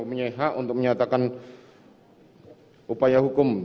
mempunyai hak untuk menyatakan upaya hukum